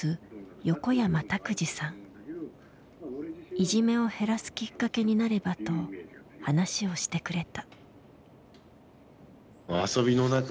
いじめを減らすきっかけになればと話をしてくれた。